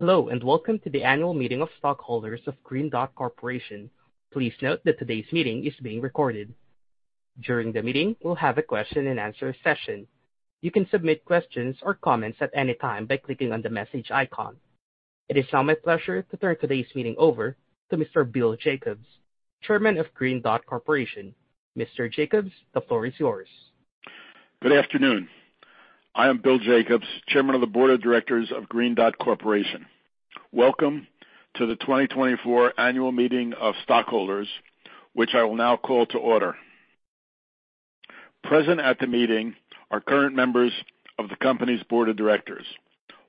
Hello, and welcome to the annual meeting of stockholders of Green Dot Corporation. Please note that today's meeting is being recorded. During the meeting, we'll have a question and answer session. You can submit questions or comments at any time by clicking on the message icon. It is now my pleasure to turn today's meeting over to Mr. Bill Jacobs, Chairman of Green Dot Corporation. Mr. Jacobs, the floor is yours. Good afternoon. I am Bill Jacobs, Chairman of the Board of Directors of Green Dot Corporation. Welcome to the 2024 Annual Meeting of Stockholders, which I will now call to order. Present at the meeting are current members of the company's board of directors.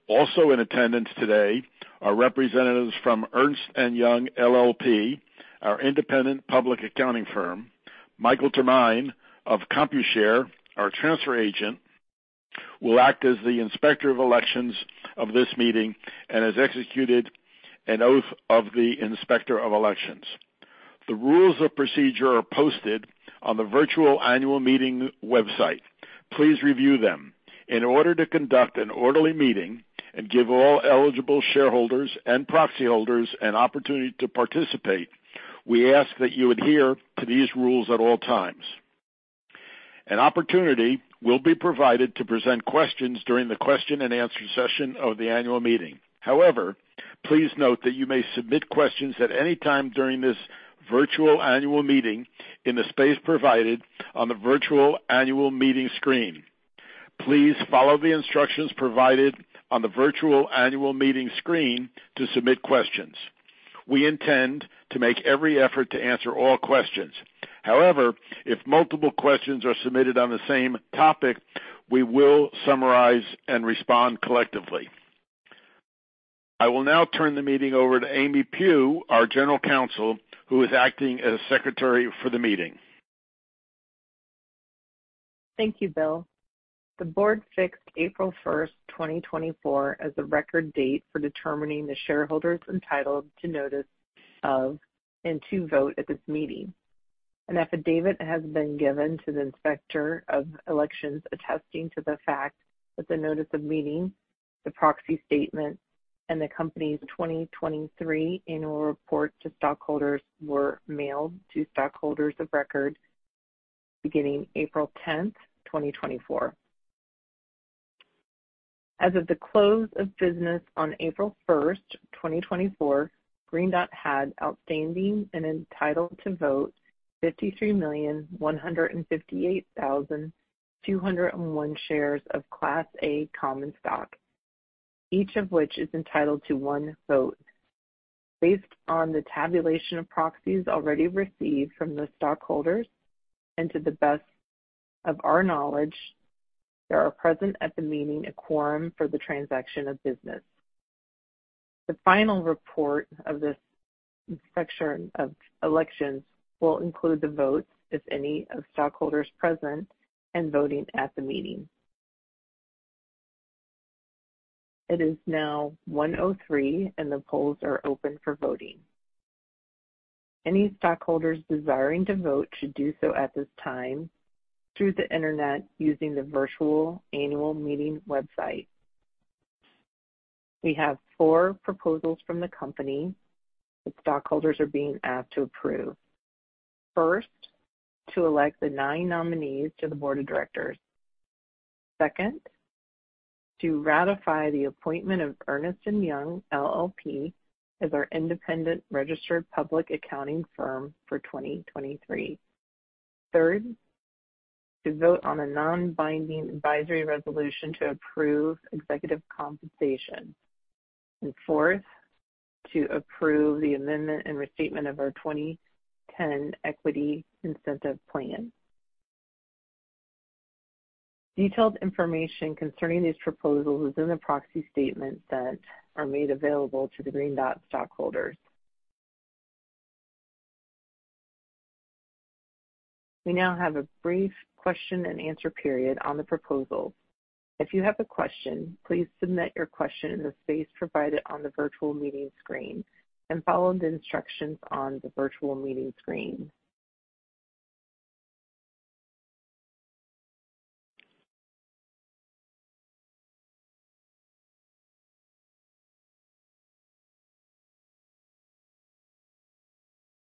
Also in attendance today are representatives from Ernst & Young LLP, our independent public accounting firm. Michael Termine of Computershare, our transfer agent, will act as the Inspector of Elections of this meeting and has executed an oath of the Inspector of Elections. The rules of procedure are posted on the virtual annual meeting website. Please review them. In order to conduct an orderly meeting and give all eligible shareholders and proxy holders an opportunity to participate, we ask that you adhere to these rules at all times. An opportunity will be provided to present questions during the question and answer session of the annual meeting. However, please note that you may submit questions at any time during this virtual annual meeting in the space provided on the virtual annual meeting screen. Please follow the instructions provided on the virtual annual meeting screen to submit questions. We intend to make every effort to answer all questions. However, if multiple questions are submitted on the same topic, we will summarize and respond collectively. I will now turn the meeting over to Amy Pugh, our General Counsel, who is acting as Secretary for the meeting. Thank you, Bill. The board fixed April 1, 2024, as the record date for determining the shareholders entitled to notice of and to vote at this meeting. An affidavit has been given to the Inspector of Elections attesting to the fact that the notice of meeting, the proxy statement, and the company's 2023 annual report to stockholders were mailed to stockholders of record beginning April 10, 2024. As of the close of business on April 1, 2024, Green Dot had outstanding and entitled to vote 53,158,201 shares of Class A Common Stock, each of which is entitled to one vote. Based on the tabulation of proxies already received from the stockholders, and to the best of our knowledge, there are present at the meeting a quorum for the transaction of business. The final report of this Inspector of Elections will include the votes, if any, of stockholders present and voting at the meeting. It is now 1:03 P.M., and the polls are open for voting. Any stockholders desiring to vote should do so at this time through the internet, using the virtual annual meeting website. We have four proposals from the company that stockholders are being asked to approve. First, to elect the nine nominees to the board of directors. Second, to ratify the appointment of Ernst & Young LLP as our independent registered public accounting firm for 2023. Third, to vote on a non-binding advisory resolution to approve executive compensation. And fourth, to approve the amendment and restatement of our 2010 Equity Incentive Plan. Detailed information concerning these proposals is in the Proxy Statement that are made available to the Green Dot stockholders. We now have a brief question and answer period on the proposal. If you have a question, please submit your question in the space provided on the virtual meeting screen and follow the instructions on the virtual meeting screen.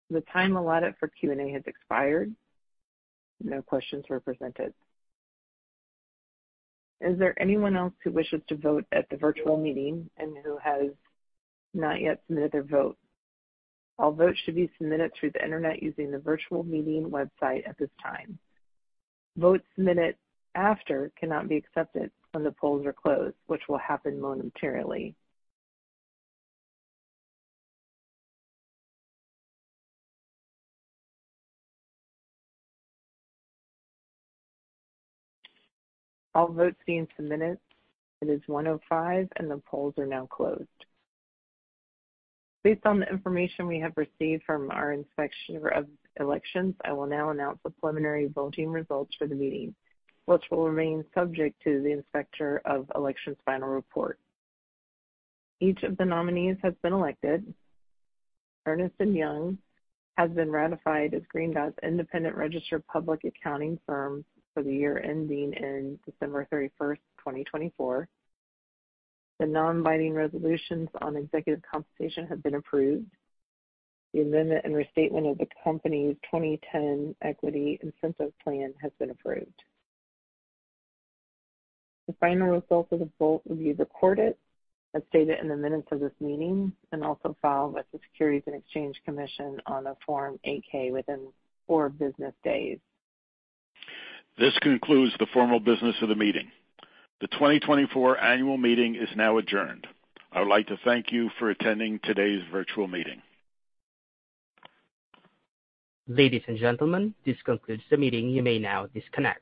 The time allotted for Q&A has expired. No questions were presented. Is there anyone else who wishes to vote at the virtual meeting and who has not yet submitted their vote? All votes should be submitted through the internet using the virtual meeting website at this time. Votes submitted after cannot be accepted when the polls are closed, which will happen momentarily. All votes being submitted. It is 1:05, and the polls are now closed. Based on the information we have received from our Inspector of Elections, I will now announce the preliminary voting results for the meeting, which will remain subject to the Inspector of Elections' final report. Each of the nominees has been elected. Ernst & Young has been ratified as Green Dot's independent registered public accounting firm for the year ending in December 31, 2024. The non-binding resolutions on executive compensation have been approved. The amendment and restatement of the company's 2010 Equity Incentive Plan has been approved. The final results of the vote will be recorded as stated in the minutes of this meeting and also filed with the Securities and Exchange Commission on a Form 8-K within 4 business days. This concludes the formal business of the meeting. The 2024 annual meeting is now adjourned. I would like to thank you for attending today's virtual meeting. Ladies and gentlemen, this concludes the meeting. You may now disconnect.